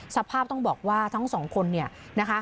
สภาพต้องบอกว่าทั้งสองคนเนี่ยนะคะ